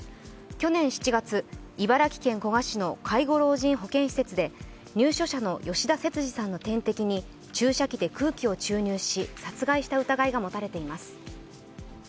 去年７月、茨城県古河市の介護老人保健施設で、入所者の吉田節次さんの点滴に注射器で空気を注入して殺害した疑いが持たれています。